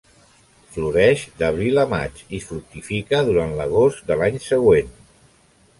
Floreix d'abril a maig i fructifica durant l'agost de l'any següent.